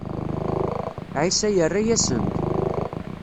Ɛisa yerra-asen-d.